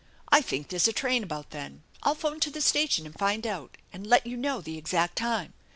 I think there's a train about then. I'll phone to the station and find out and let you know the exact time.